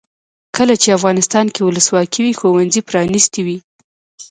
کله چې افغانستان کې ولسواکي وي ښوونځي پرانیستي وي.